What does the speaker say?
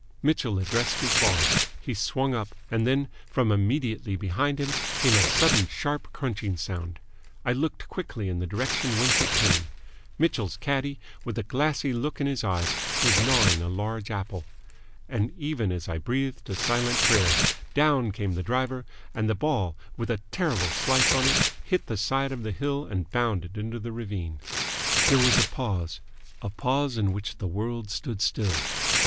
Mitchell addressed his ball. He swung up, and then, from immediately behind him came a sudden sharp crunching sound. I looked quickly in the direction whence it came. Mitchell's caddie, with a glassy look in his eyes, was gnawing a large apple. And even as I breathed a silent prayer, down came the driver, and the ball, with a terrible slice on it, hit the side of the hill and bounded into the ravine. There was a pause a pause in which the world stood still.